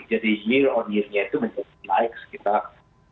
jadi year on year nya itu mencapai naik sekitar